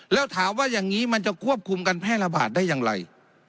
แล้วถามว่าอย่างนี้มันจะควบคุมการแพร่ระบาดได้อย่างไร